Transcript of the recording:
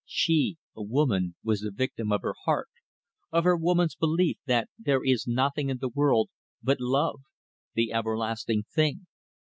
She, a woman, was the victim of her heart, of her woman's belief that there is nothing in the world but love the everlasting thing.